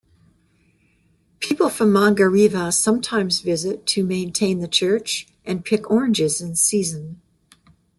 People from Mangareva sometimes visit to maintain the church and pick oranges in season.